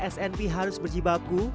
smp harus berjibabgu